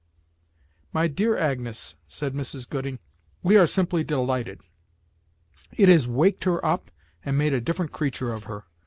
"My dear Agnes," said Mrs. Gooding, "we are simply delighted! It has waked her up and made a different creature of her.